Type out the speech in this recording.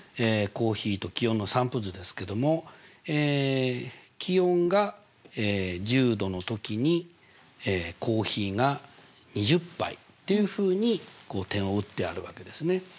コーヒーと気温の散布図ですけども気温が１０℃の時にコーヒーが２０杯っていうふうにこう点を打ってあるわけですね。